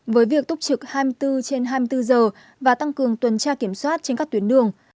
với việc túc trực hai mươi bốn trên hai mươi bốn giờ và tăng cường tuần tra kiểm soát trên các tuyến đường